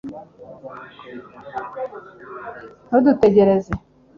ntudutegereze